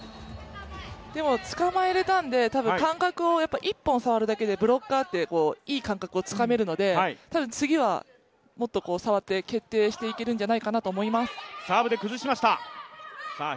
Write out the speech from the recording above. でもつかまえれたんで、感覚を１本触るだけでブロッカーって、いい感覚をつかめるので、多分、次はもっと触って決定していけるんじゃないかと思います。